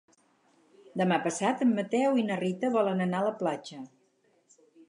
Demà passat en Mateu i na Rita volen anar a la platja.